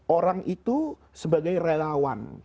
orang itu sebagai relawan